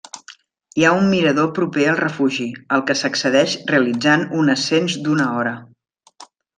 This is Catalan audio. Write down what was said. Hi ha un mirador proper al refugi, al que s'accedeix realitzant un ascens d'una hora.